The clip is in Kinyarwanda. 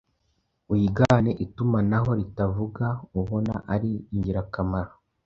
Wigane itumanaho ritavuga ubona ari ingirakamaro